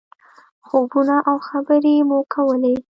خوبونه او خبرې مو کولې.